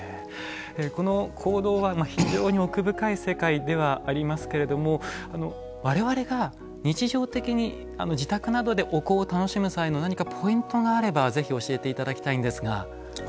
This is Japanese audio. この香道は非常に奥深い世界ではありますけれどもわれわれが日常的に自宅などでお香を楽しむ際の何かポイントがあればぜひ教えていただきたいんですが。